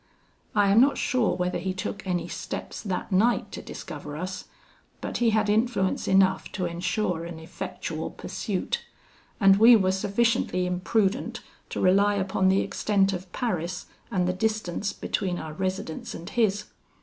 I am not sure whether he took any steps that night to discover us, but he had influence enough to ensure an effectual pursuit, and we were sufficiently imprudent to rely upon the extent of Paris and the distance between our residence and his.